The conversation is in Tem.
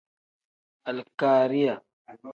Alikariya.